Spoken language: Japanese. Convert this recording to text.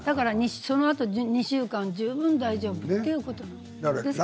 その後２週間十分大丈夫ということです。